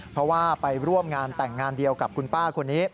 เพราะว่าไปร่วมงานแต่งงานเดียวกับคุณป้าคนนี้